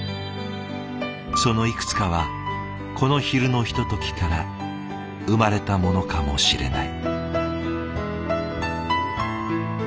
そのいくつかはこの昼のひとときから生まれたものかもしれない。